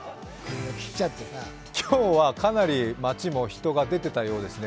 今日は、かなり街も人が出ていたようですね。